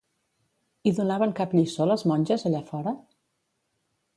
Hi donaven cap lliçó les monges allà fora?